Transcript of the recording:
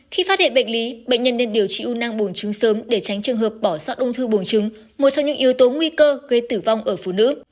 khi phát hiện bệnh lý bệnh nhân nên điều trị u nang bùn trứng sớm để tránh trường hợp bỏ sót ung thư buồng trứng một trong những yếu tố nguy cơ gây tử vong ở phụ nữ